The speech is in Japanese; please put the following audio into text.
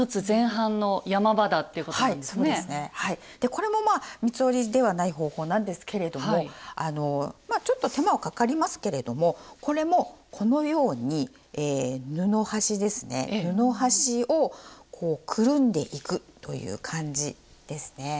これもまあ三つ折りではない方法なんですけれどもまあちょっと手間はかかりますけれどもこれもこのように布端ですね布端をこうくるんでいくという感じですね。